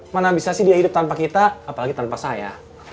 mana bisa sih dia hidup tanpa kita apalagi tanpa saya